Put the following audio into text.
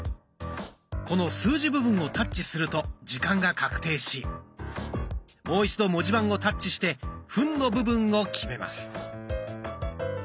この数字部分をタッチすると時間が確定しもう一度文字盤をタッチして分の部分を決めます。